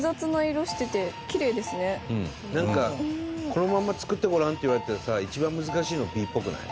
なんかこのまんま作ってごらんって言われてさ一番難しいのはＢっぽくない？